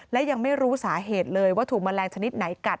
และยังไม่รู้สาเหตุเลยว่าถูกแมลงชนิดไหนกัด